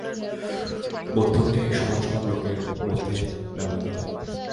মধ্যমটি সমান সমান লোকের মধ্যে ব্যবহৃত হয়।